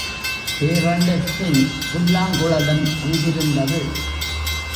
Parent சின் புல்லாங்குழலும் அங்கிருந்தது.